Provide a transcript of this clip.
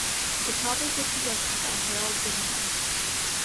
The topic was suggested by Harald Zimmermann.